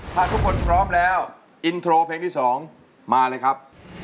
ถ้าทุกคนพร้อมแล้วอินโทรเพลงที่๒มาเลยครับ